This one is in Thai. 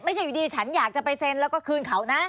อยู่ดีฉันอยากจะไปเซ็นแล้วก็คืนเขานะ